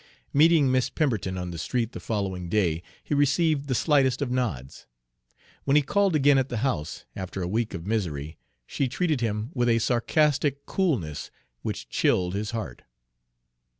Meeting Miss Pemberton on the street the following day, he received the slightest of nods. When he called again at the house, after a week of misery, she treated him with a sarcastic coolness which chilled his heart.